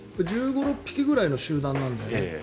１５１６匹ぐらいの集団なんだよね